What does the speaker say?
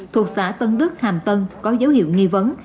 thuộc xã tân đức hàm tân có dấu hiệu nghi vấn